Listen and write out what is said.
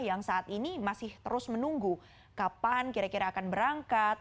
yang saat ini masih terus menunggu kapan kira kira akan berangkat